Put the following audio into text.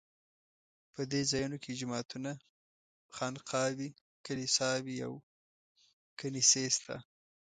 په دې ځایونو کې جوماتونه، خانقاوې، کلیساوې او کنیسې شته.